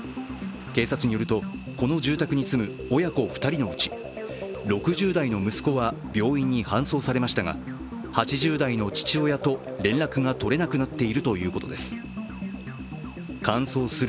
警察によると、この住宅に住む親子２人のうち、６０代の息子は病院に搬送されましたが８０代の父親と連絡が取れなくなっているということです。